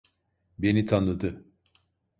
Beni tanıdı.